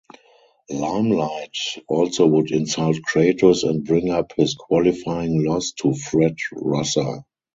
Limelight also would insult Kratos and bring up his qualifying loss to Fred Rosser.